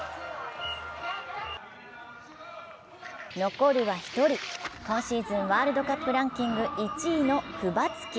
残るは１人、今シーズンワールドカップランキング１位のクバッキ。